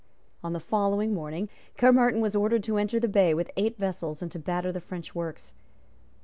On the following morning Caermarthen was ordered to enter the bay with eight vessels and to batter the French works.